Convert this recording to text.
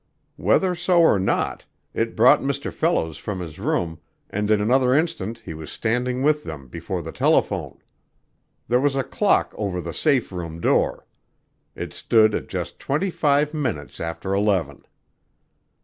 Whether so or not, it brought Mr. Fellows from his room, and in another instant he was standing with them before the telephone. There was a clock over the safe room door. It stood at just twenty five minutes after eleven.